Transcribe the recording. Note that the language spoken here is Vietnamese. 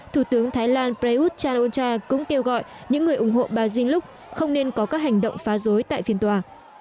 thủ tướng thái lan prayuth chan ol cha cũng kêu gọi những người ủng hộ bà dinh luc không nên có các hành động phá rối tại phiên tòa